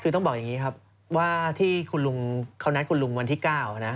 คือต้องบอกอย่างนี้ครับว่าที่คุณลุงเขานัดคุณลุงวันที่๙นะ